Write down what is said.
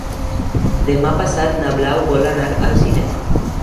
Demà passat na Blau vol anar al cinema.